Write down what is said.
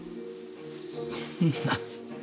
そんな。